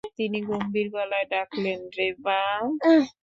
তিনি গম্ভীর গলায় ডাকলেন, রেবা।